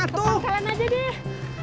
ke pangkalan aja deh